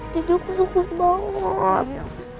tidak aku sakit banget